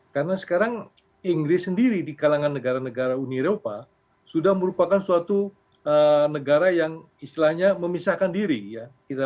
karena sekarang inggris sendiri di kalangan negara negara uni eropa sudah merupakan suatu negara yang istilahnya memisahkan diri ya